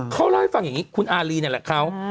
เขาเล่าให้ฟังอย่างนี้คุณอารีนี่แหละเขา